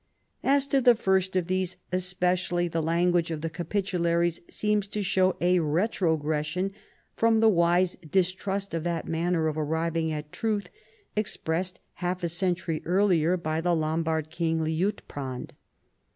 As to the first of these especially, the language of the Capitularies seems to show a retrogression from the wise distrust of that manner of arriving at truth expressed half a century earlier by the Lombard king, Liutprand.